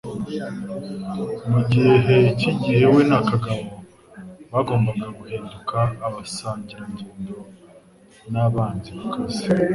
Mugihe cyigihe we na Kagabo bagombaga guhinduka abasangirangendo nabanzi bakaze